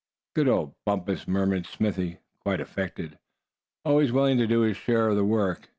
"Good old Bumpus!" murmured Smithy, quite affected. "Always willing to do his share of the work.